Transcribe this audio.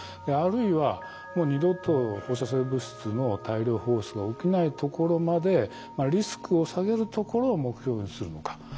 あるいはもう二度と放射性物質の大量放出が起きないところまでリスクを下げるところを目標にするのか？